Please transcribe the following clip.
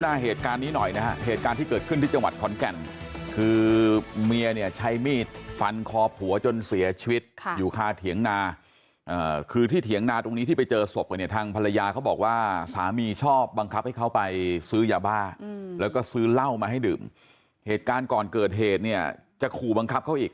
เหตุการณ์นี้หน่อยนะฮะเหตุการณ์ที่เกิดขึ้นที่จังหวัดขอนแก่นคือเมียเนี่ยใช้มีดฟันคอผัวจนเสียชีวิตอยู่คาเถียงนาคือที่เถียงนาตรงนี้ที่ไปเจอศพกันเนี่ยทางภรรยาเขาบอกว่าสามีชอบบังคับให้เขาไปซื้อยาบ้าแล้วก็ซื้อเหล้ามาให้ดื่มเหตุการณ์ก่อนเกิดเหตุเนี่ยจะขู่บังคับเขาอีก